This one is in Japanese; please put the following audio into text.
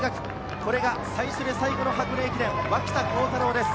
これが最初で最後の箱根駅伝、脇田幸太朗です。